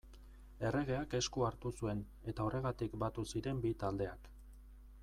Erregeak esku hartu zuen, eta horregatik batu ziren bi taldeak.